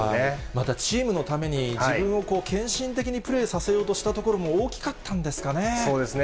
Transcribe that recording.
またチームのために、自分を献身的にプレーさせようとしたところも大きかったんですかそうですね。